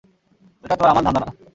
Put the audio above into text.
এটা তো আর আমার ধান্দা না।